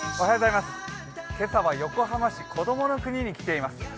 今朝は横浜市こどもの国に来ています。